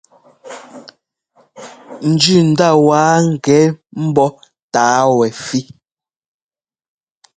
Njʉndá wá ŋgɛ́ mbɔ́ tǎa wɛfí.